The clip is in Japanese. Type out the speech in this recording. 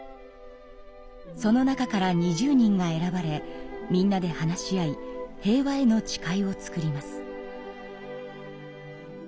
その中から２０人が選ばれみんなで話し合い「平和への誓い」を作ります。